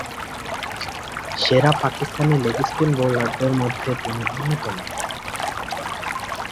সেরা Pakistani leg spin বোলারদের মধ্যে তিনি অন্যতম।